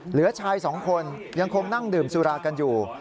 เหลือชายสองคนยังคงนั่งดื่มสุรากันอยู่